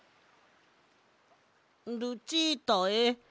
「ルチータへ。